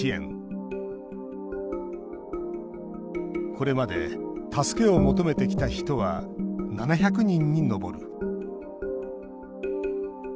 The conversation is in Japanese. これまで助けを求めてきた人は７００人に上る。